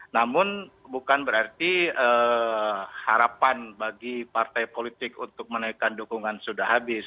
namun bukan berarti harapan bagi partai politik untuk menaikkan dukungan sudah habis